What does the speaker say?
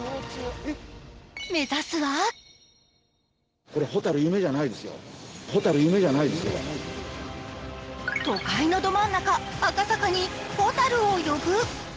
目指すは都会のど真ん中、赤坂にホタルを呼ぶ。